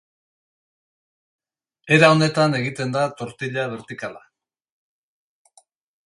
Era honetan egiten da tortilla bertikala.